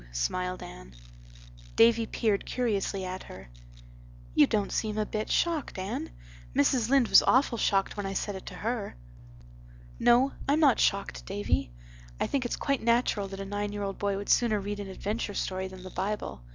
smiled Anne. Davy peered curiously at her. "You don't seem a bit shocked, Anne. Mrs. Lynde was awful shocked when I said it to her." "No, I'm not shocked, Davy. I think it's quite natural that a nine year old boy would sooner read an adventure story than the Bible.